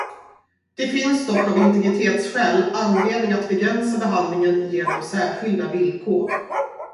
Det finns dock av integritetsskäl anledning att begränsa behandlingen genom särskilda villkor.